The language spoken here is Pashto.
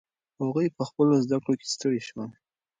هغوی په خپلو زده کړو کې ستړي سول.